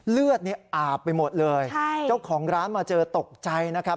เลือดเนี่ยอาบไปหมดเลยใช่เจ้าของร้านมาเจอตกใจนะครับ